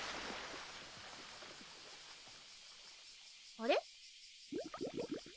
あれ？